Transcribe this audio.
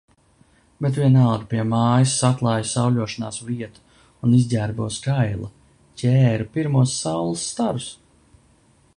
Bet vienalga pie mājas saklāju sauļošanās vietu un izģērbos kaila, ķēru pirmos saules starus.